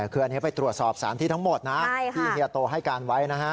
คืออันนี้ไปตรวจสอบสารที่ทั้งหมดนะที่เฮียโตให้การไว้นะฮะ